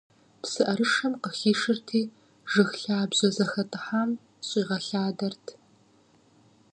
ПсыӀэрышэм къыхишырти, жыг лъабжьэ зэхэтӀыхьам щӀигъэлъадэрт.